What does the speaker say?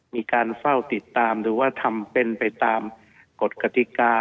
มีการเฝ้าติดตามหรือว่าทำเป็นไปตามกฎกติกา